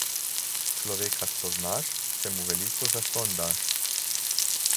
Človeka spoznaš, če mu veliko zastonj daš.